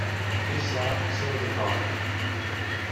This solved some of the problem.